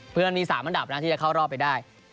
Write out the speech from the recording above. เพื่อมี๓อันดับนะที่จะเข้ารอบไปได้